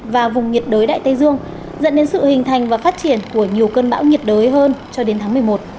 và vùng nhiệt đới đại tây dương dẫn đến sự hình thành và phát triển của nhiều cơn bão nhiệt đới hơn cho đến tháng một mươi một